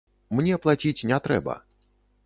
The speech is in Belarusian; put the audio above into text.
Мне плаціць не трэба.